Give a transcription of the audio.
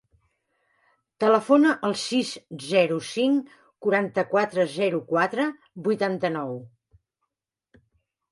Telefona al sis, zero, cinc, quaranta-quatre, zero, quatre, vuitanta-nou.